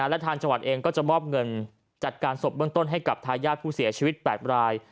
และทางจังหวัดเองก็จะมอบเงินจัดการศพเบื้องต้นให้กับทายาทผู้เสียชีวิต๘ราย